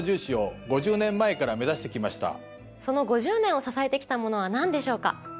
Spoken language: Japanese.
その５０年を支えてきたものは何でしょうか？